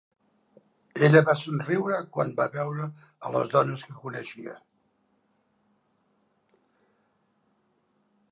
Ella va somriure quan va veure a les dones que coneixia.